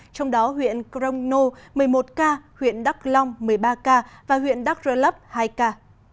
trong đó huyện crono một mươi một ca huyện đắk long một mươi ba ca và huyện đắk rơ lấp hai ca